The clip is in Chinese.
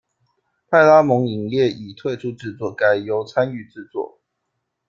派拉蒙影业已退出制作，改由参与制作。